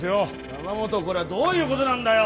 山本これはどういうことなんだよ！